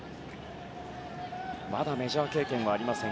まだメジャー経験はありません。